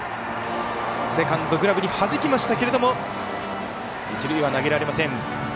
セカンド、グラブはじきましたが一塁には投げられません。